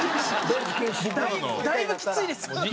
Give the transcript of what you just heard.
だいぶきついです。